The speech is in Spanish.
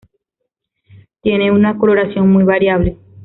Tiene una coloración muy variable.